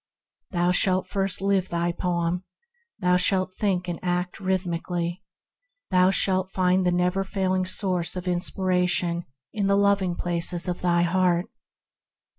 Thou shalt first live thy poem; thou shalt think and act rhythmically; thou shalt find the never failing source of inspiration in the loving places of thy heart.